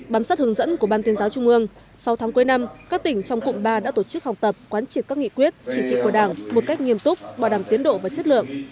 bám sát hướng dẫn của ban tuyên giáo trung ương sau tháng cuối năm các tỉnh trong cụm ba đã tổ chức học tập quán triệt các nghị quyết chỉ trị của đảng một cách nghiêm túc bảo đảm tiến độ và chất lượng